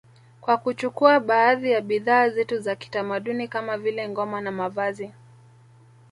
Kwa kuchukua baadhi ya bidhaa zetu za kitamaduni kama vile ngoma na mavazi